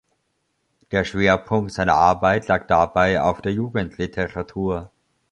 Der Schwerpunkt seiner Arbeit lag dabei auf der Jugendliteratur.